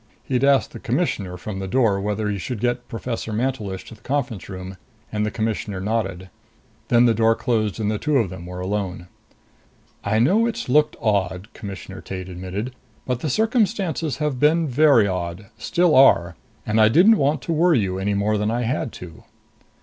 He asked the Commissioner from the door whether he should get Professor Mantelish to the conference room, and the Commissioner nodded. Then the door closed and the two of them were alone. "I know it's looked odd," Commissioner Tate admitted, "but the circumstances have been very odd. Still are. And I didn't want to worry you any more than I had to."